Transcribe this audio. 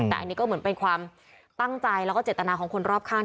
แต่อันนี้ก็เหมือนเป็นความตั้งใจแล้วก็เจตนาของคนรอบข้าง